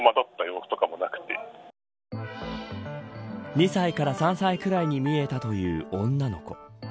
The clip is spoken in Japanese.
２歳から３歳くらいに見えたという女の子。